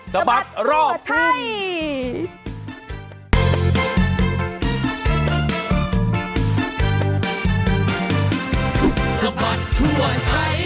สะบัดทั่วไทย